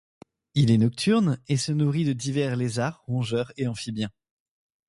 Il est nocturne, et se nourrit de divers lézards, rongeurs et amphibiens.